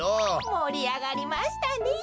もりあがりましたねえ。